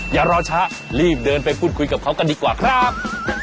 อย่ารอช้ารีบเดินไปพูดคุยกับเขากันดีกว่าครับ